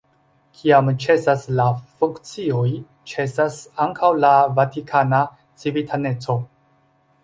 Kiam ĉesas la funkcioj, ĉesas ankaŭ la vatikana civitaneco.